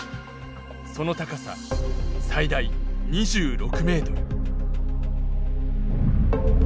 その高さ最大２６ｍ。